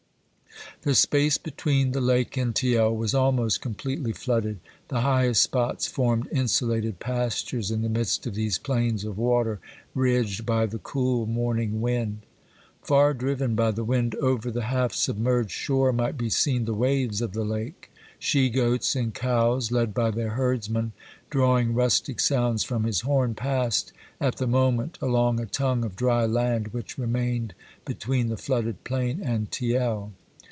The space between the lake and Thiel was almost completely flooded; the highest spots formed insulated pastures in the midst of these plains of water ridged by the cool morning wind. Far driven by the wind over the half submerged shore might be seen the waves of the lake. She goats and cows led by their herdsman, drawing rustic sounds from his horn, passed at the moment along a tongue of dry land which remained between the flooded plain and Thiel.